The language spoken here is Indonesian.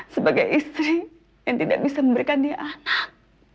sebagai istri yang tidak bisa memberikan dia anak